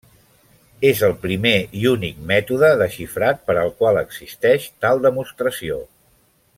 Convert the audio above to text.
És el primer i únic mètode de xifrat per al qual existeix tal demostració.